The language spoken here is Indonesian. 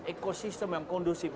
ekosistem yang kondusif